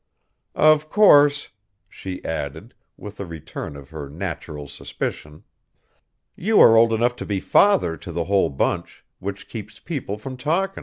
Of course," she added, with a return of her natural suspicion, "you are old enough to be father to the whole bunch, which keeps people from talkin'."